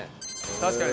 確かに。